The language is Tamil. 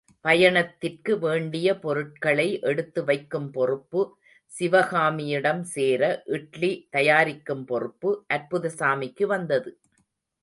பயணத்திற்கு வேண்டிய பொருட்களை எடுத்து வைக்கும் பொறுப்பு சிவகாமியிடம் சேர, இட்லி தயாரிக்கும் பொறுப்பு அற்புதசாமிக்கு வந்தது.